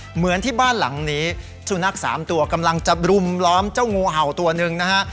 เหมือนที่บ้านหลังนี้สุนัขสามตัวกำลังจะรุมล้อมเจ้างูเห่าตัวหนึ่งนะฮะ